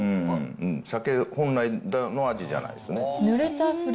鮭本来の味じゃないですね。